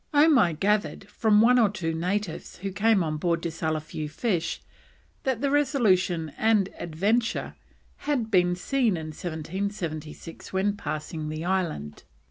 Omai gathered from one or two natives who came on board to sell a few fish, that the Resolution and Adventure had been seen in 1776 when passing the island.